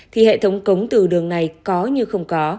thì hệ thống cống từ đường này có như không có